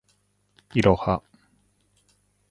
いろは